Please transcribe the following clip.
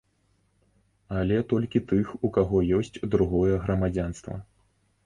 Але толькі тых, у каго ёсць другое грамадзянства.